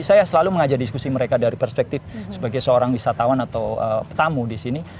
saya selalu mengajak diskusi mereka dari perspektif sebagai seorang wisatawan atau tamu di sini